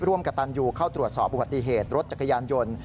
กระตันยูเข้าตรวจสอบอุบัติเหตุรถจักรยานยนต์